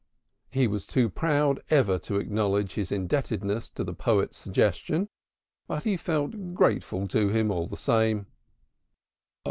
He was too proud ever to acknowledge his indebtedness to the poet's suggestion, but he felt grateful to him all the same.